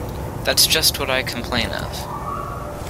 That’s just what I complain of!